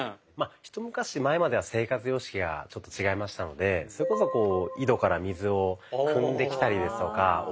一昔前までは生活様式がちょっと違いましたのでそれこそこう井戸から水をくんできたりですとか。